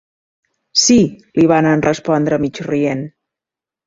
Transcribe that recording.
Sí…- li varen respondre, mig rient.